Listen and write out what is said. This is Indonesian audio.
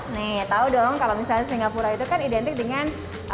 nih tahu dong kalau misalnya singapura itu kan identik dengan